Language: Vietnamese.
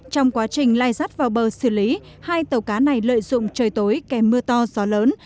trong quá trình lai rắt vào bờ xử lý hai tàu cá này lợi dụng trời tối kèm mưa to gió lớn